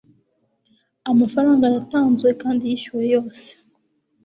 amafaranga yatanzwe kandi yishyuwe yose